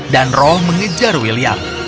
dan roh mengejar william